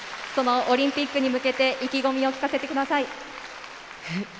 オリンピックに向けて意気込みを聞かせてください。